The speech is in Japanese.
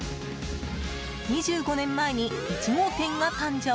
２５年前に１号店が誕生。